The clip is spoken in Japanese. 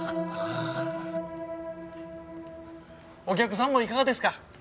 お客さんもいかがですか？